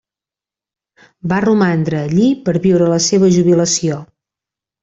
Va romandre allí per viure la seva jubilació.